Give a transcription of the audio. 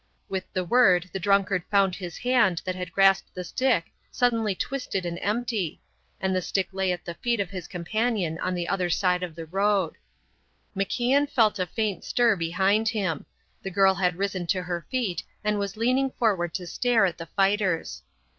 With the word the drunkard found his hand that had grasped the stick suddenly twisted and empty; and the stick lay at the feet of his companion on the other side of the road. MacIan felt a faint stir behind him; the girl had risen to her feet and was leaning forward to stare at the fighters.